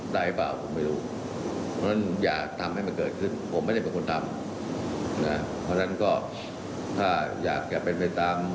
ตัวเฉยผู้พูดปลามไว้เฉยให้คนที่สร้างความวุ่นวาย